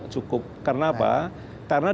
cukup karena apa karena